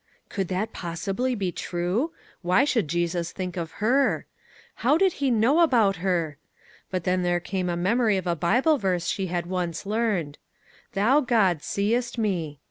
Could that possibly be true ? Why should Jesus think of her? How did he know about her ? But then there came a memory of a Bible verse she had once learned :" Thou God seest me."